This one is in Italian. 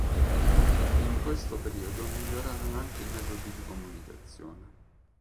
In questo periodo migliorarono anche i metodi di comunicazione.